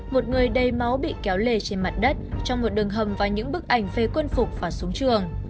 một người đầy máu bị kéo lề trên mặt đất trong một đường hầm và những bức ảnh về quân phục và súng trường